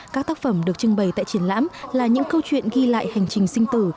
các tác phẩm được trưng bày tại triển lãm là những câu chuyện ghi lại hành trình sinh tử